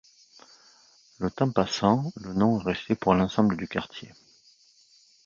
Le temps passant, le nom est resté pour l'ensemble du quartier.